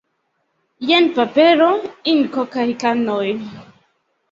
Jen papero, inko kaj kanoj.